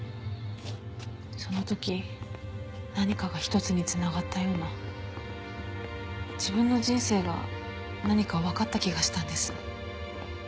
その時何かが一つに繋がったような自分の人生が何かわかった気がしたんです。